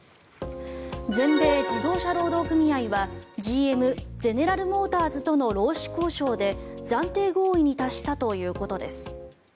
全米自動車労働組合はＧＭ・ゼネラルモーターズとの労使交渉で暫定合意に達したということです。